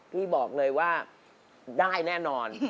พี่บอกเลยว่าได้แน่นอน